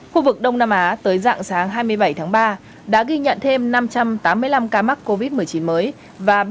khu vực đông nam á tới dạng sáng hai mươi bảy tháng ba đã ghi nhận thêm năm trăm tám mươi năm ca mắc covid một mươi chín mới và